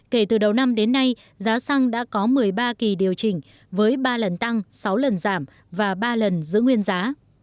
kể từ đầu năm đến nay giá xăng đã có một mươi ba kỳ điều chỉnh với ba lần tăng sáu lần giảm và ba lần giữ nguyên giá